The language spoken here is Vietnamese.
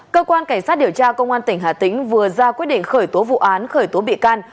cơ quan cảnh sát điều tra công an tỉnh hà tĩnh vừa ra quyết định khởi tố vụ án khởi tố bị can